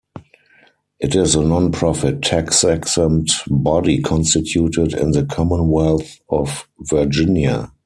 It is a non-profit, tax-exempt body constituted in the Commonwealth of Virginia.